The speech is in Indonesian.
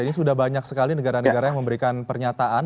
ini sudah banyak sekali negara negara yang memberikan pernyataan